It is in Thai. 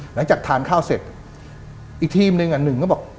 หลังจากทานข้าวเสร็จอีกทีมหนึ่งอ่ะหนึ่งก็บอก